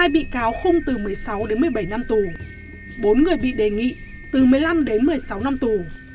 một mươi bị cáo khung từ một mươi sáu đến một mươi bảy năm tù bốn người bị đề nghị từ một mươi năm đến một mươi sáu năm tù